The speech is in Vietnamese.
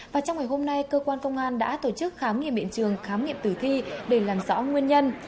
và trong ngày hôm nay cơ quan công an đã tổ chức khám nghiệm biện trường khám nghiệm tử thi để làm rõ nguyên nhân